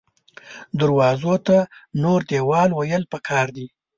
دروازو ته نور دیوال ویل پکار دې